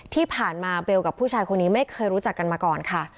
ที่ผ่านมาเบลกับผู้ชายคนนี้ไม่เคยรู้จักกันมาก่อนค่ะ